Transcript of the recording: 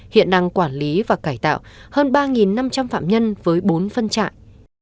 hiện đang quản lý và cải tạo hơn ba năm trăm linh phạm nhân với bốn phân trại